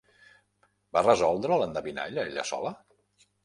Va resoldre l'endevinalla ella sola?